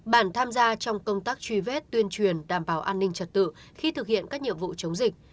bản tham gia trong công tác truy vết tuyên truyền đảm bảo an ninh trật tự khi thực hiện các nhiệm vụ chống dịch